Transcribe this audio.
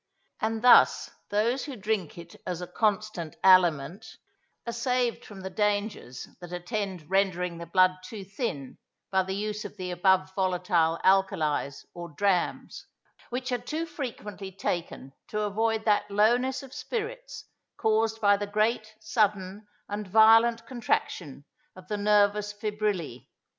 And thus those who drink it as a constant aliment, are saved from the dangers that attend rendering the blood too thin by the use of the above volatile alkalies, or drams, which are too frequently taken to avoid that lowness of spirits caused by the great, sudden, and violent contraction of the nervous fibrillæ.